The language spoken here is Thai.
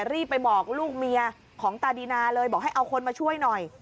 รีบไปบอกลูกเมียของตาดีนาเลยบอกให้เอาคนมาช่วยหน่อย